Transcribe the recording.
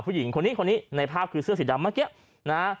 ผู้หญิงคนนี้คนนี้ในภาพคือเสื้อสีดำเมื่อกี้นะฮะ